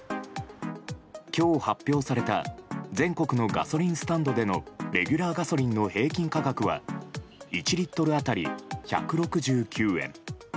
今日、発表された全国のガソリンスタンドでのレギュラーガソリンの平均価格は１リットル当たり１６９円。